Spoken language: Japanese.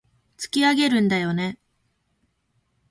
突き上げるんだよね